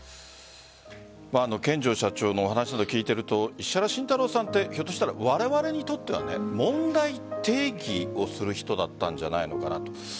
見城社長のお話を聞いていると石原慎太郎さんってひょっとしたらわれわれにとっては問題提起をする人だったんじゃないのかなと。